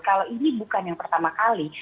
kalau ini bukan yang pertama kali